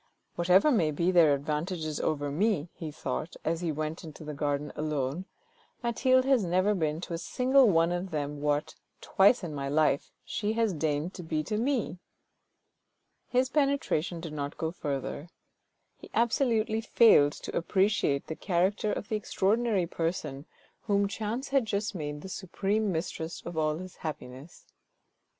Whatever may be their advantages over me," he thought, as he went into the garden alone, " Mathilde has never been to a single one of them what, twice in my life, she has deigned to be to me !" His penetration did not go further. He absolutely failed to appreciate the character of the extraordinary person whom chance had just made the supreme mistress of all his happiness.